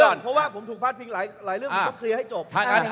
ก่อนเพราะว่าผมถูกพลาดพิงหลายเรื่องผมต้องเคลียร์ให้จบ